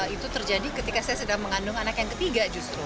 itu terjadi ketika saya sedang mengandung anak yang ketiga justru